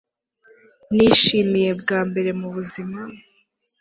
Nishimiye bwa mbere mubuzima